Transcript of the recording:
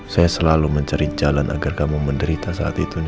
saya selalu mencari jalan agar kamu menderita saat itu